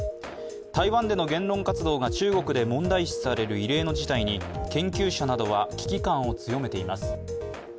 台湾での言論活動が中国で問題視される異例の事態に研究者などは危機感を強めています。